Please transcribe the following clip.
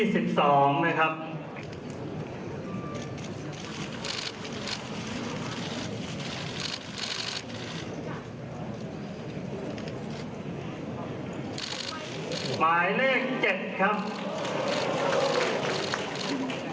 หมายเลข๗ครับ